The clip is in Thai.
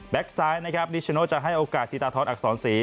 แบ็คซ้ายนิชโน้ตจะให้โอกาสที่ตาทอดอักษรศรี